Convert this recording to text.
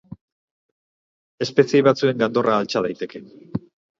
Espezie batzuen gandorra altxa daiteke.